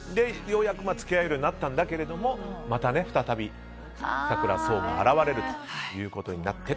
ようやく付き合えるようになったんだけれどもまた再び佐倉想が現れるということになって。